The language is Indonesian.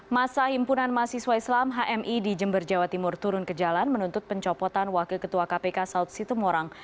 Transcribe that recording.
masa himpunan mahasiswa islam hmi di jember jawa timur turun ke jalan menuntut pencopotan wakil ketua kpk saud situmorang